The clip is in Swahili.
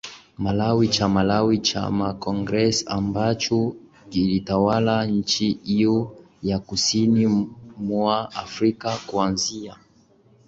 Malawi cha Malawi chama Congress ambacho kiliitawala nchi hiyo ya Kusini mwa Afrika kuanzia